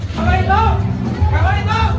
ขอบคุณครับ